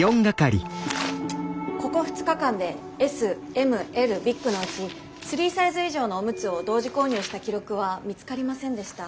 ここ２日間でＳＭＬビッグのうち３サイズ以上のオムツを同時購入した記録は見つかりませんでした。